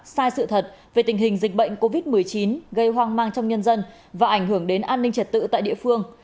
sai sự thật về tình hình dịch bệnh covid một mươi chín gây hoang mang trong nhân dân và ảnh hưởng đến an ninh trật tự tại địa phương